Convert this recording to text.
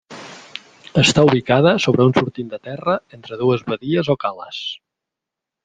Està ubicada sobre un sortint de terra entre dues badies o cales.